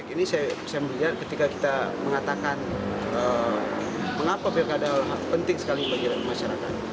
ini saya melihat ketika kita mengatakan mengapa pilkada penting sekali bagi masyarakat